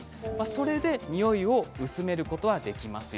それでにおいを薄めることができます。